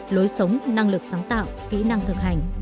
lối sống năng lực sáng tạo kỹ năng thực hành